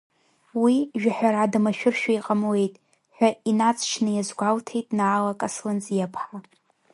Уи, жәаҳәарада машәыршәа иҟамлеит, ҳәа инаҵшьны иазгәалҭеит Наала Касланӡиаԥҳа.